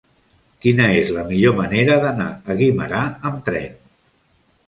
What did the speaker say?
Quina és la millor manera d'anar a Guimerà amb tren?